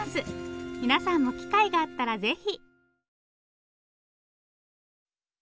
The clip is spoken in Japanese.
皆さんも機会があったらぜひ。